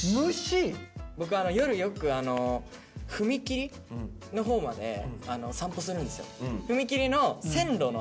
僕夜よく踏切のほうまで散歩するんですよ。